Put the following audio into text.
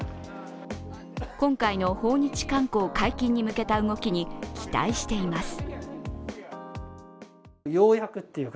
今回の訪日観光解禁に向けた動きに期待しています。